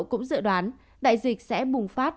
cũng dự đoán đại dịch sẽ bùng phát